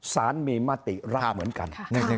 สารมีมติรับเหมือนกัน